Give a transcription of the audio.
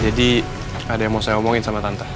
jadi ada yang mau saya omongin sama tante